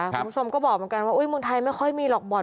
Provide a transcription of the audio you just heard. คุณผู้ชมก็บอกเหมือนกันว่าเมืองไทยไม่ค่อยมีหรอกบ่อน